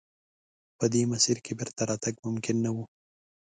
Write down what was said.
په دې مسیر کې بېرته راتګ ممکن نه و.